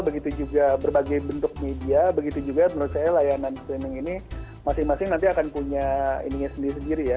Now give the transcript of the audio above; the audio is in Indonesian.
begitu juga berbagai bentuk media begitu juga menurut saya layanan screening ini masing masing nanti akan punya ini sendiri sendiri ya